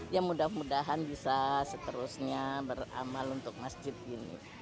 ya mudah mudahan bisa seterusnya beramal untuk masjid ini